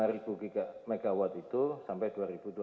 tiga puluh lima ribu gigawatt itu sampai dua ribu dua puluh empat